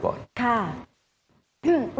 ครับ